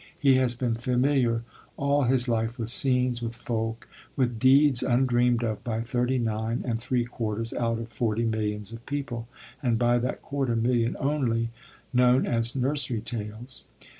He has been familiar all his life with scenes, with folk, with deeds undreamed of by thirty nine and three quarters out of forty millions of people, and by that quarter million only known as nursery tales.